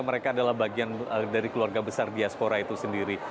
mereka adalah bagian dari keluarga besar diaspora itu sendiri